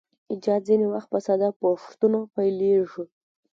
ایجاد ځینې وخت په ساده پوښتنو پیلیږي.